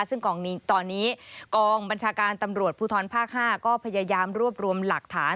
ซึ่งตอนนี้กองบัญชาการตำรวจภูทรภาค๕ก็พยายามรวบรวมหลักฐาน